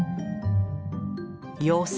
妖精？